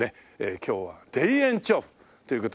今日は田園調布という事で。